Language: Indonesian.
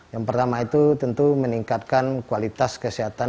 yang pertama itu tentu meningkatkan kualitas kesehatan